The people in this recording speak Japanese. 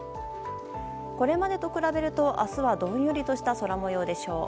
これまでと比べると、明日はどんよりとした空模様でしょう。